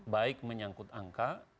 baik menyangkut angka